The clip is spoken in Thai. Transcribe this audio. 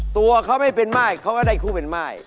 ตัวเขาไม่เป็นม่ายเขาก็ได้คู่เป็นม่าย